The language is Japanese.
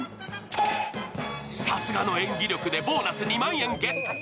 さすがの演技力でボーナス２万円をゲット。